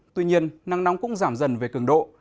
tuy nhiên nắng nóng cũng giảm dần về cường độ